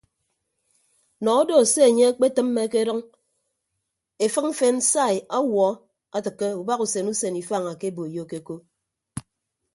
Nọ odo se enye ekpetịmme akedʌñ efịk mfen sai awuọ atịkke ubahausen usen ifañ akeboiyoke ko.